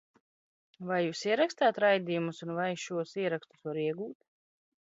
Vai jūs ierakstāt raidījumus un vai šos ierakstus var iegūt?